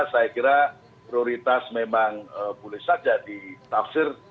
saya kira prioritas memang boleh saja ditafsir